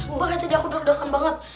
makanya tadi aku deg degan banget